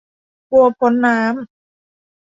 บัวพ้นน้ำ